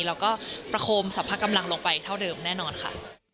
แล้วก็ประคมสรรพกำลังลงไปเท่าเดิมแน่นอนค่ะ